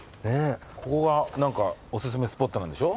ここがお薦めスポットなんでしょ？